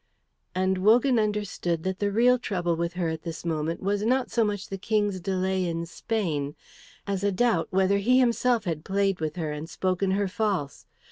And Wogan understood that the real trouble with her at this moment was not so much the King's delay in Spain as a doubt whether he himself had played with her and spoken her false.